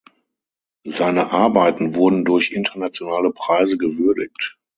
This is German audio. Seine Arbeiten wurden durch internationale Preise gewürdigt.